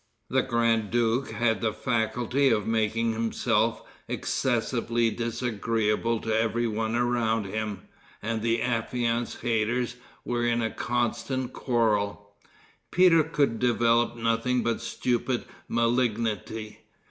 The grand duke had the faculty of making himself excessively disagreeable to every one around him, and the affianced haters were in a constant quarrel. Peter could develop nothing but stupid malignity.